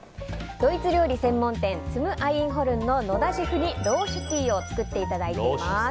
ドイツ料理専門店ツム・アインホルンの野田シェフにローシュティを作っていただいています。